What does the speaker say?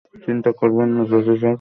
চিন্তা করবেন না, জেসি স্যার।